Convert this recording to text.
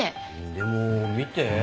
でも見て。